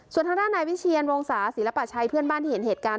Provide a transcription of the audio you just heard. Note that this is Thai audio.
ส่วนทางด้านนายวิเชียนวงศาศิลปะชัยเพื่อนบ้านที่เห็นเหตุการณ์